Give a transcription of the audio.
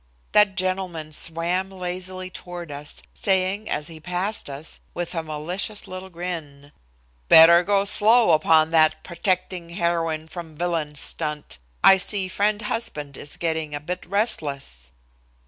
That gentleman swam lazily toward us, saying as he passed us, with a malicious little grin: "Better go slow upon that protecting heroine from villain stunt. I see Friend Husband is getting a bit restless."